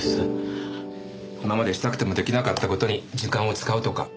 今までしたくても出来なかった事に時間を使うとか。